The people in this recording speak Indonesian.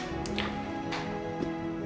ya aku juga gak dengerin kamu